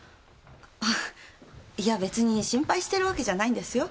あいや別に心配してるわけじゃないんですよ。